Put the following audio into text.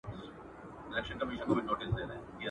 ږغ مي اوری؟ دا زما چیغي در رسیږي؟ ..